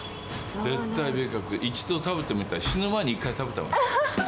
絶対別格、一度食べてみたら、死ぬ前に一回、食べたほうがいい。